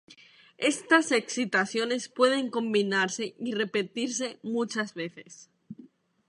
Estas excitaciones pueden combinarse y repetirse muchas veces.